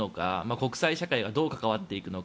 国際社会がどう関わっていくのか。